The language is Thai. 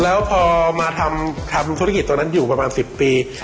แล้วพอมาทำธุรกิจตรงนั้นอยู่ประมาณ๑๐ปี